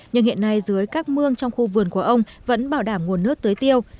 nhưng hiện nay dưới các mương trong khu vườn của ông vẫn bảo đảm nguồn nước tưới tiêu